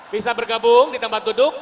bisa bergabung di tempat duduk